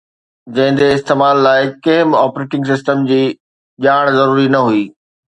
جنهن جي استعمال لاءِ ڪنهن به آپريٽنگ سسٽم جي ڄاڻ ضروري نه هئي